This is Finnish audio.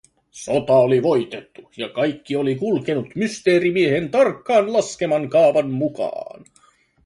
Sota oli voitettu, ja kaikki oli kulkenut Mysteerimiehen tarkkaan laskeman kaavan mukaan.